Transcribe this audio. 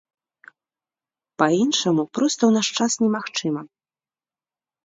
Па-іншаму проста ў наш час немагчыма.